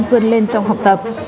vươn lên trong học tập